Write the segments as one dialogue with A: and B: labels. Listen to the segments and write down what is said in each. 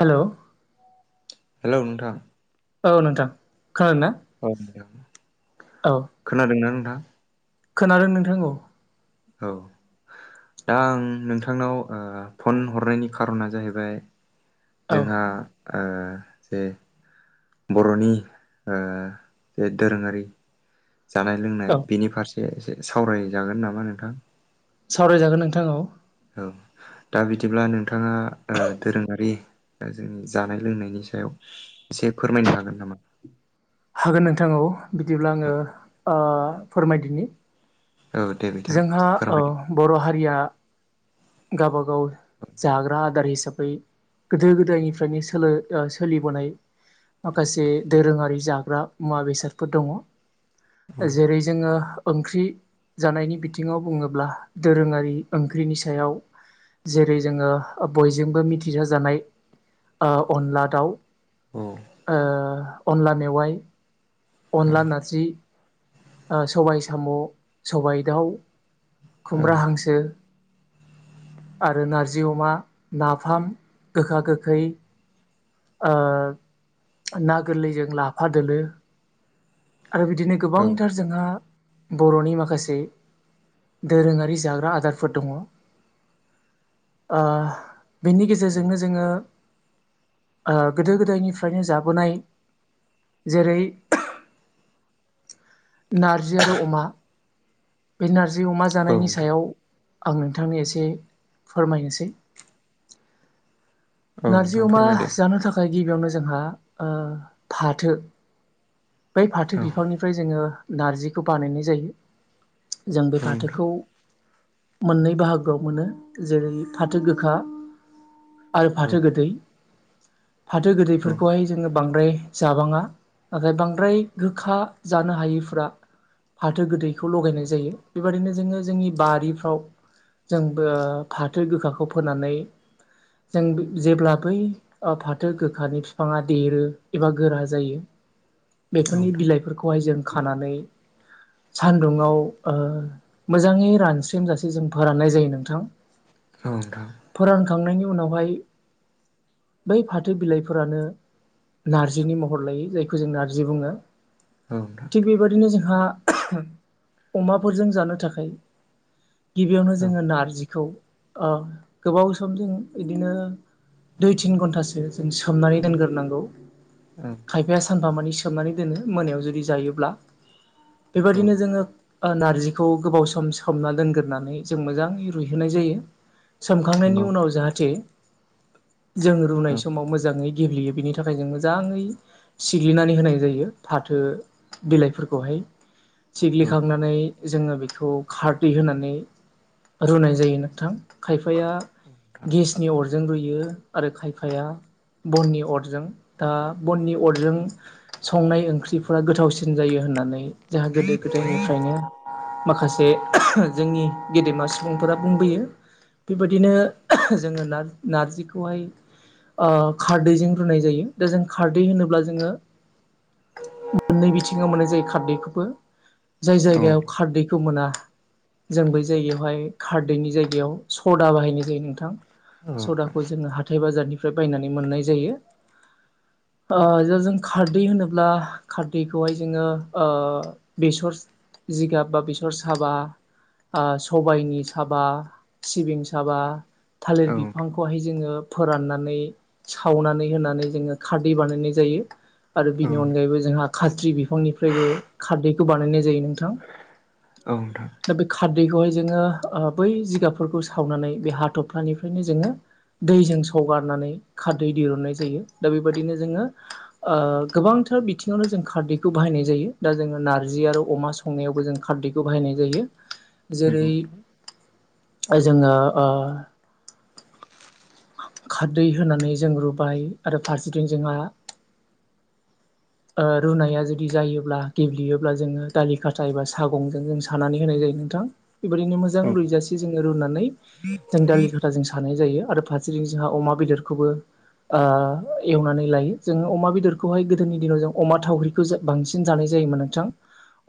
A: Hello
B: hello नोंथां
A: औ नोंथां खोनादों ना
B: औ नथां
A: औ
B: खोनादोंना नोंथां
A: खोनादों नोंथांखौ
B: औ दा आं नोंथांनाव फन हरनायनि खारोना जाहैबाय
A: औ
B: जोंहा ओ जे बर'नि जे दोरोंङारि जानाय लोंनाय
A: औ
B: बेनि फारसे एसे सावरायजागोन नामा नोंथां
A: सावरायजागोन नोंथां औ
B: औ दा बिदिब्ला नोंथांङा दोरोङारि दा जोंनि जानाय लोंनायनि सायाव एसे फोरमायनो हागोन नामा?
A: हागोन नोंथां औ बिदिब्ला आंङो फोरमायदिनि
B: औ दे बिथां
A: जोंहा
B: फोरमायदो
A: ओ बर' हारिया गावबागाव जाग्रा आदार हिसाबै गोदो गोदायनिफ्रायनो सोलो सोलिबोनाय माखासे दोरोंङारि जाग्रा मुवा बेसादफोर दंङो।
B: औ
A: जेरै जोंङो ओंख्रि जानायनि बिथिंङाव बुङोब्ला दोरोंङारि ओंख्रिनि सायाव जेरै जोंङो बयजोंबो मिथिजाजानाय अनला दाउ
B: औ
A: अनला मेवाय अनला नारजि सबाय साम' सबाय दाउ
B: औ
A: खुमब्रा
B: नोंथां
A: हांसो आरो नारजि अमा नाफाम गोखा गोखै ना गोरलैजों लाफा दोलो आरो बिदिनो
B: औ
A: गोबांथार जोंहा बर'नि माखासे दोरोङारि जाग्रा आदारफोर दङ बेनि
B: औ
A: गेजेरजोंनो जोङो गोदो गोदायनिफ्रायनो जाबोनाय जेरै नारजि आरो अमा बे नारजि अमा
B: औ
A: जानायनि
B: नोंथां
A: सायाव आं नोंथांनि एसे फोरमायनोसै
B: औ
A: नारजि
B: नोंथां
A: अमा
B: फोरमायदो
A: जानो थाखाय गिबियावनो जोंहा फाथो बै फाथो
B: औ
A: बिफांनिफ्राय जोङो नारजिखौ बानायनाय जायो जों बे
B: औ नोंथां
A: फाथोखौ मोननै बाहागोआव मोनो जेरै फाथो गोखा आरो
B: औ
A: फाथो गोदै फाथो
B: नोंथां
A: गोदैफोरखौहाय जोङो बांद्राय जाबाङा नाथाय बांद्राय गोखा जानो हायो फ्रा फाथो गोदैखौ
B: औ
A: लगायनाय जायो बेबायदिनो जोङो जोंनि बारिफ्राव जोंबो फाथो गोखाखौ फोनानै जों जेब्ला बै फाथो गोखानि बिफाङा देरो एबा गोरा जायो
B: औ
A: बेफोरनि
B: नोंथां
A: बिलाइफोरखौहाय जों खानानै
B: [inaudible]
A: सान्दुंङाव मोजाङै रानस्रेमजासे जों फोराननाय जायो नोंथां
B: औ नोंथां
A: खांनायनि उनावहाय बै फाथो बिलाइफोरानो नार्जिनि महर लायो जायखौ जों नार्जि बुङो
B: औ नोंथां
A: थिग बेबायदिनो जोंहा अमाफोरजों जानो थाखाय गिबियावनो जोङो नारजिखौ गोबाव सम जों बिदिनो दुइ तिन घन्टासो जों सोमनानै दोनग्रोनांगौ
B: औ औ
A: खायफाया सानफामानि सोमनानै दोनो मोनायाव जुदि जायोब्ला
B: औ
A: बेबायदिनो जोङो नार्जिखौ गोबाव सम सोमना दोनग्रोनानै जों मोजाङै रुइहोनाय जायो
B: नंगौ
A: सोमखांनायनि उनाव जाहाथे जों रुनाय
B: औ
A: समाव मोजाङै गेब्लेयो बिनि थाखाय जों मोजाङै सिग्लिनानै होनाय जायो फाथो बिलाइफोरखौहाय
B: नोंथां
A: सिग्लिखांनानै जोङो बेखौ खारदै होनानै रुनाय जायो नोंथां खायफाया गेसनि अरजों रुयो आरो खायफाया बननि अरजों दा बननि अरजों संनाय ओंख्रिफोरा गोथावसिन जायो होननानै जोंहा गोदो गोदायनिफ्रायनो
B: औ
A: माखासे
B: नोंथां
A: जोंनि गेदेमा सुबुंफोरा बुंबोयो बेबायदिनो जोङो न नारजिखौहाय खारदैजों रुनाय जायो दा जों खारदै होनोब्ला जोङो मोननै बिथिङाव मोननाय जायो खारदैखौबो जाय
B: औ
A: जायगायाव खारदैखौ मोना जों बै जायगायावहाय खारदैनि जायगायाव सदा बाहायनाय जायो नोंथां
B: नोंथां
A: सदाखौ जोङो हाथाय बाजारनिफ्राय बायनानै मोननाय जायो ओ जो जों खारदै होनोब्ला खारदै खौहाय जोङो ओ बेसर जिगाब बा बेसर साबा आ सबाइनि साबा सिबिं साबा थालिर
B: औ
A: बिफांखौहाय जोङो फोराननानै सावनानै होनानै जोङो खारदै बानायनाय जायो आरो
B: औ
A: बिनि अनगायैबो जोंहा खाथ्रि बिफांनिफ्रायबो खारदैखौ बानायनाय जायो नोंथां
B: नोंथां
A: दा बे खा खारदैखौहाय जोङो ओ बै जिगाबफोरखौ सावनानै बे हाथफ्लानिफ्रायनो जोङो दैजों सगारनानै खारदै दिरुननाय जायो दा बेबायदिनो जोङो ओ गोबां थार बिथिङावनो जों खारदैखौ बाहायनाय जायो दा जोङो नारजि आरो अमा संनायावबो जों खारदैखौ बाहायनाय जायो जेरै
B: नंगौ औ
A: जोङो ओ खारदै होनानै जों रुबाय आरो फारसेथिं जोंहा
B: [inaudible]
A: ओ रुनाया जुदि जायोब्ला गेब्लेयोब्ला जोङो दालि खाथा एबा सागंजों जों सानानै होनाय जायो नोंथां बेबायदिनो मोजां रुइजासे जोङो रुनानै जों दालि खाथा जों सानाय जायो आरो फार सेथिं जोंहा अमा बेदरखौबो ओ एवनानै लायो जोङो अमा बेदरखौहाय गोदोनि दिनाव जों अमा थावख्रिखौ बांसिन जानाय जायोमोन नोंथां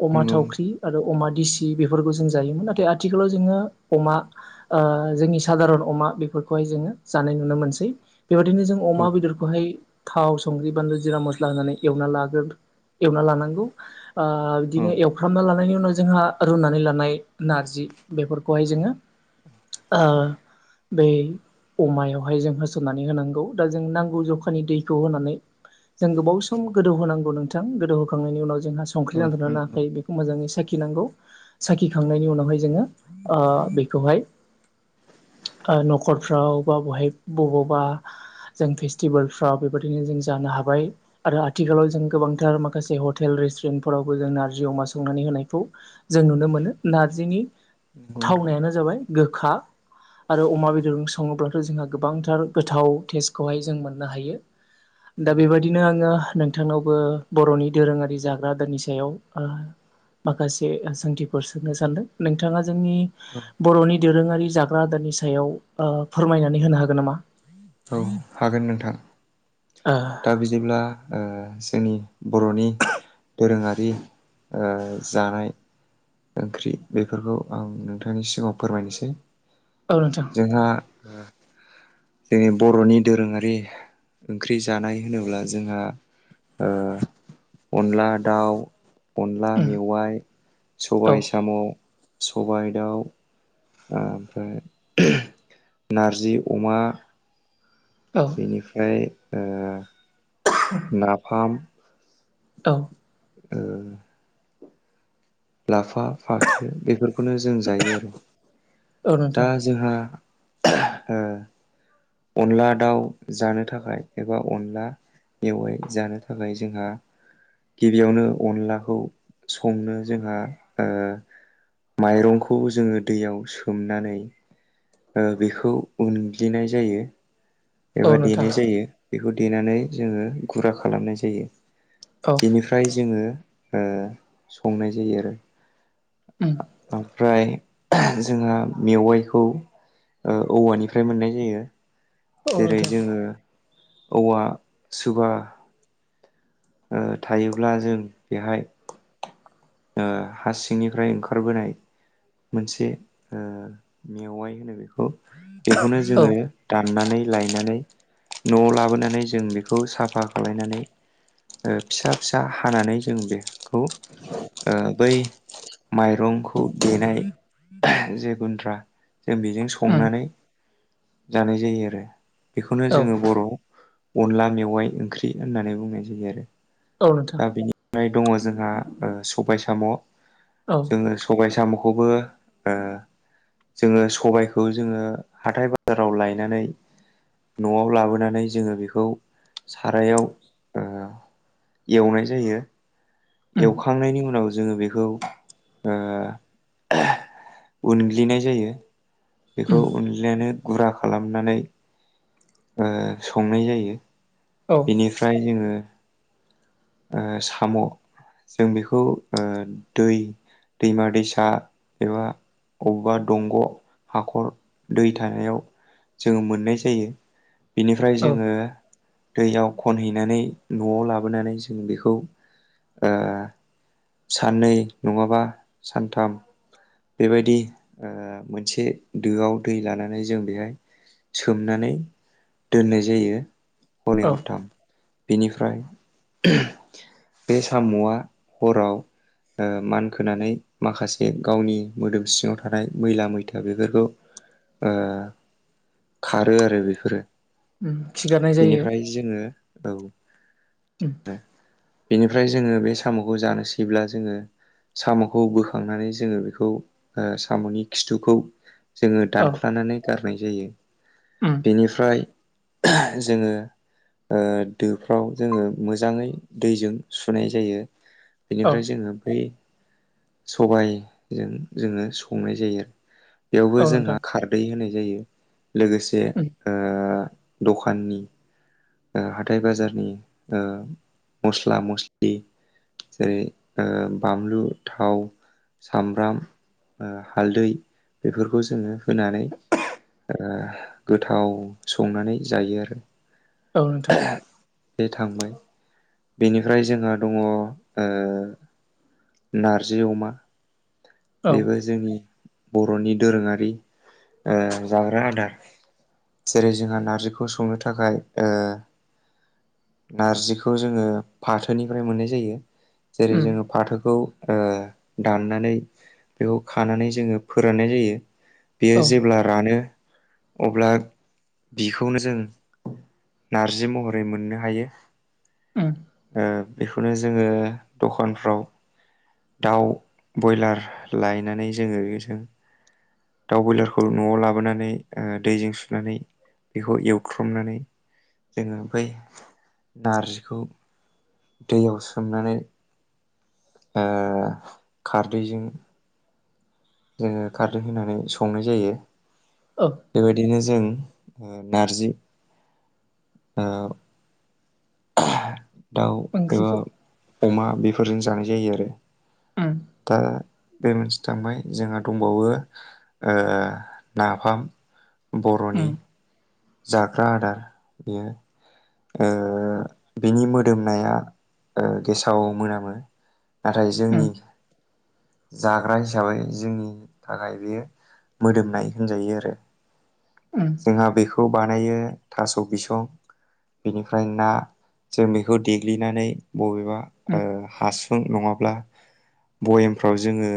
A: अमा
B: नंगौ नोंथां
A: थावख्रि आरो अमा दिसि बेफोरखौ जों जायोमोन नाथाय आथिखालाव जोङो अमा ओ जोंनि सादारन अमा बे फोरखौहाय जोङो जानाय नुनो मोनसै बेबायदिनो जों
B: औ
A: अमा बेदरखौहाय थाव संख्रि बानलु जिरा मस्ला होनानै एवना लाग्रो एवना लानांगौ ओ
B: औ
A: बिदिनो एवफ्रामना लानायनि उनाव जोंहा रुनानै लानाय नारजि बेफोरखौहाय जोङो आ बेै अमायावहाय जों होसननानै होनांगौ दा जों नांगौ जखानि दैखौ होनानै जों गोबाव सम गोदौ होनांगौ नोंथां गोदौ होखांनायनि उनाव जोंहा संख्रि नांदोंना
B: नोंथां नंगौ
A: नाङाखै बेखौ मोजाङै साखि खिनांगौ साखिखांनायनि उनावहाय जोङो ओ बेखौहाय ओ न'खरफ्राव बा बहाय बबावबा जों फेस्टिभेलफ्राव बेबायदिनो जों जानो हाबाय आरो आथिखालाव जों गोबांथार माखासे हटेल रेस्टुरेन्टफोरावबो जों नारजि अमा संनानै होनायखौ जों नुनो मोनो नारजिनि
B: नंगौ नोंथां
A: थावनायानो जाबाय गोखा आरो अमा बेदरजों सङोब्ला जोंहा गोबांथार गोथाव टेस्टखौहाय जों मोननो हायो दा
B: औ
A: बेबायदिनो आङो नोंथांनावबो बर'नि दोरोङारि जाग्रा आदारनि सायाव माखासे सोंथिफोर सोंनो सानदों नोंथाङा जोंनि
B: औ
A: बर'नि दोरोङारि जाग्रा आदारनि सायाव ओ फोरमायनानै होनो हागोन नामा
B: औ हागोन नोंथां
A: ओ
B: दा बिदिब्ला ओ जोंनि बर'नि दोरोङारि ओ जानाय ओंख्रि बेफोरखौ आं नोंथांनि सिगाङाव फोरमायनोसै
A: औ नोंथां
B: जोंहा जोंनि बर'नि दोरोङारि ओंख्रि जानाय होनोब्ला जोंहा ओ अन्ला दाउ अनला
A: उम
B: मेवाइ
A: औ
B: सबाइ साम' सबाइ दाउ ओमफ्राय नारजि अमा
A: औ
B: बेनिफ्राय ओ नाफाम
A: औ
B: ओ लाफा फाथो बेफोरखौनो जों जायो आरो
A: औ
B: दा
A: नोंथां
B: जोंहा अनला दाउ जानो थाखाय एबा अनला मेवाय जानो थाखाय जोंहा गिबियावनो अनलाखौ संनो जोंहा माइरंखौ जोङो दैयाव सोमनानै बेखौ उनग्लिनाय जायो
A: औ
B: एबा
A: नोंथां
B: देनाय जायो बेखौ देनानै जोङो गुरा खालामनाय जायो
A: औ
B: बेनिफ्राय जोङो संनाय जायो आरो
A: उम
B: ओमफ्राय जोंहा मेवाइखौ औवानिफ्राय मोननाय जायो
A: औ
B: जेरै
A: नोंथां
B: जोङो औवा सुबा थायोब्ला जों बेहाय हा सिंनिफ्राय ओंखारबोनाय मोनसे मेवाइ होनो बेखौ बेखौनो
A: औ
B: जोङो दा दाननानै लनानै न'आव लाबोनानै जों बेखौ साफा खालनानै फिसा फिसा हानानै जों बेखौ बै माइरंखौ देनाय जे गुन्द्रा जों बेजों
A: उम
B: संनानै जानाय जायो आरो बेखौनो
A: औ
B: जोङो बर' अनला मेवाइ ओंख्रि होननानै बुंनाय जायो आरो
A: ओ नोंथां
B: दङं जोंहा सबाय साम'
A: औ
B: जोङो सबाय साब'खौ खौबो जोङो सबायखौ जोङो हाथाय बाजाराव लायनानै न'आव लाबोनानै जोङो बेखौ सारायाव एवनाय जायो
A: उम
B: एवखांनायनि उनाव उनाव जोङो बेखौ उनग्लिनाय जायो बेखौ
A: उम
B: उनलिगनो गुरा खालामनानै संनाय जायो
A: औ
B: बेनिफ्राय जोङो साम' जों बेखौ दै दैमा दैसा एबा बबेबा दंग' हाखर दै थानायाव जोङो मोननाय जायो बिनिफ्राय
A: औ
B: जोङो दैयाव खनहैनानै न'आव लाबोनानै जों बेखौ साननै नङाबा सानथाम बेबायदि मोनसे दोआव दै लानानै जों बेहाय सोमनानै दोननाय जायो हरनै
A: औ
B: हरथाम बेनिफ्राय बे साम'आ हराव मानखोनानै माखासे गावनि मोदोम सिङाव थानाय मैला मैथा बेफोरखौ खारो आरो बेफोरो
A: उम खिगारनाय जायो
B: बेनिफ्राय जोङो औ
A: उम
B: बेनिफ्राय जोङो बे साम'खौ जानोसैब्ला जोङो साम'खौ बोखांनानै जोङो बेखौ साम'नि खिथुखौ जोङो
A: औ
B: दानख्लानानै गारनाय जायो
A: उम
B: बेनिफ्राय जोङो दोफ्राव जोङो मोजाङै दैजों सुनाय जायो
A: औ
B: बेनिफ्राय जोङो बै सबायजों जोङो संनाय जायो आरो बेयावबो
A: औ
B: जोंहा
A: नोंथां
B: खारदै होनाय जायो लोगोसे
A: उम
B: आ दखाननि हाथाइ बाजारनि अ मस्ला मस्लि जेरै ओ बानलु, थाव सामब्राम हालदै बेफोरखौ जोङो होनानै गोथाव संनानै जायो आरो।
A: औ नोंथां।
B: बे थांबाय बेनिफ्राय जोंहा दङ ओ। नारजि अमा
A: औ
B: बेबो जोंनि बर'नि दोरोङारि ओ जाग्रा आदार जेरै जोंहा नारजिखौ संनो थाखाय ओ नारजिखौ जोङो फाथोनिफ्राय मोननाय जायो जेरै
A: उम
B: जोङो फाथोखौ ओ दाननानै बेखौ खानानै जोङो फोराननाय जायो। बेयो
A: औ
B: जेब्ला रानो। अब्ला बिखौनो जों नारजि महरै मोननो हायो
A: उम
B: बेखौनो जोङो दखानफ्राव दाउ बयलार लायनानै जोङो बेबादिनो दाउ बयलारखौ न'आव लाबोनानै ओ दैजों सुनानै। बेखौ एवख्रमनानै जोङो बै नारजिखौ दैयाव सोमनानै ओ खारदैजों जोङो खारदै होनानै संनाय जायो
A: औ
B: बेबायदिनो जों नारजि ओ दाउ एबा
A: ओंख्रिखौ
B: अमा बेफोरजों जानाय जायो आरो।
A: उम
B: दा बे मोनसे थांबाय जोंहा दंबावो ओ नाफाम बर'नि
A: उम
B: जाग्रा आदार बेयो ओ बिनि मोदोमनाया गेसाव ओ मोनामो नाथाय जोंनि
A: उम
B: जाग्रा हिसाबै जोंनि थाखाय बेयो मोदोमनाय होनजायो आरो।
A: उम
B: जोंहा बेखौ बानायो थास' बिसं बेनिफ्राय ना जों बेखौ देग्लिनानै बबेबा
A: उम
B: हासुं नङाब्ला भयेमफ्राव जोङो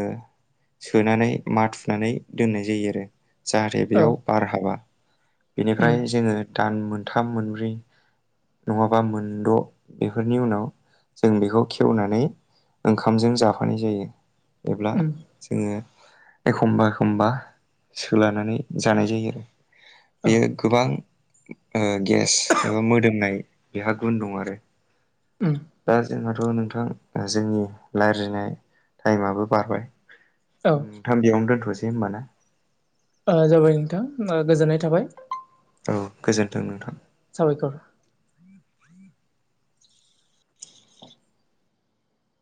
B: सोनानै माथुनानै दोननाय जायो आरो जाहाथे
A: औ
B: बेयाव बार हाबा बेनिफ्राय
A: उम
B: जोङो दान मोनथाम मोनब्रै नङाबा मोनद' बेफोरनि उनाव जों बेखौ खेवनानै ओंखामजों जाफानाय जायो एब्ला
A: उम
B: जोङो। एखमबा एखमबा सोलानानै जानाय जायो आरो।
A: औ
B: बेयो गोबां गेस एबा मोदोम। होननाय बेहा गुन दं आरो
A: उम
B: दा जोंहाथ' नोंथां जोंनि रायलायनाय टाइमाबो बारबाय
A: औ ओ
B: नोंथां बेयावनो दोनथ'नोसै होमबाना?
A: जाबाय नोंथां गोजोननाय थाबाय
B: औ गोजोन्थों नोंथां।
A: साबायखर